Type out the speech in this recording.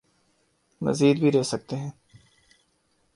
مزید بھی رہ سکتے ہیں۔